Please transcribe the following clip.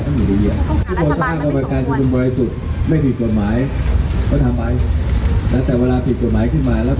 ทีโพเพี่ยวถูกอนามัยสะอาดใสไร้คราบ